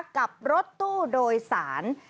กับรถตู้โดยสาร